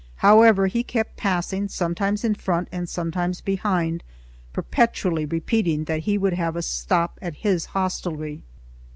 However, he kept passing, sometimes in front and sometimes behind, perpetually repeating that he would have us stop at his hostelry.